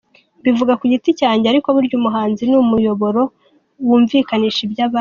Mbivuga ku giti cyanjye ariko burya umuhanzi ni umuyoboro wumvikanisha iby’abandi.